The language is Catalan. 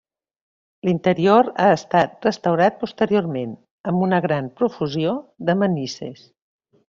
L'interior ha estat restaurat posteriorment amb una gran profusió de manises.